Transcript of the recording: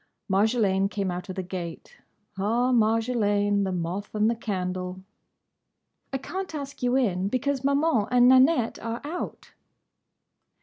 Marjolaine came out of the gate. Ah, Marjolaine! The moth and the candle! "I can't ask you in, because Maman and Nanette are out."